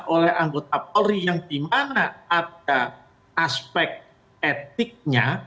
oleh anggota polri yang dimana ada aspek etiknya